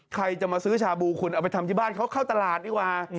ใครจะมาซื้อชาบูคุณเอาไปทำที่บ้านเขาเข้าตลาดดีกว่า